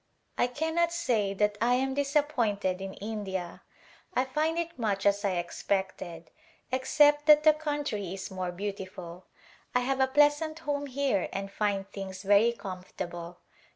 I cannot say that I am disappointed in India. I find it much as I expected, except that the country is more beautiful. I have a pleasant home here and find things very comfortable.